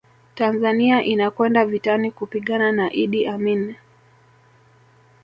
Tanzania inakwenda vitani kupigana na Iddi Amini